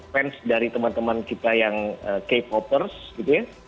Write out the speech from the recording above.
fans dari teman teman kita yang k popers gitu ya